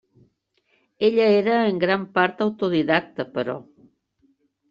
Ella era en gran part autodidacta, però.